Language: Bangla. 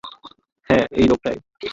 হ্যাঁ, এই লোকটাই।